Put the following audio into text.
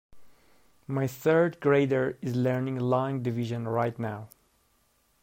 My third grader is learning long division right now.